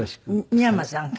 三山さんか。